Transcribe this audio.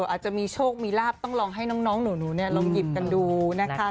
อาจจะมีโชคมีลาบต้องลองให้น้องหนูลองหยิบกันดูนะคะ